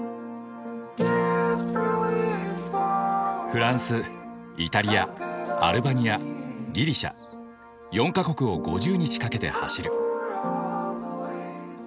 フランスイタリアアルバニアギリシャ４か国を５０日かけて走る。